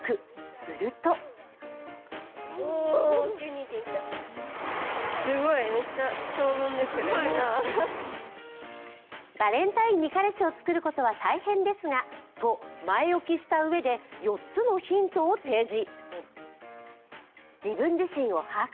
するとバレンタインに彼氏を作ることは大変ですがと前置きしたうえで、４つのヒントを提示。